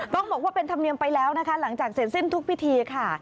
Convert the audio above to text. ต้องบอกว่าเป็นธรรมเนียมไปแล้วนะคะหลังจากเสร็จสิ้นทุกพิธีค่ะ